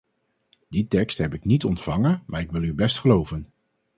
Die tekst heb ik niet ontvangen, maar ik wil u best geloven.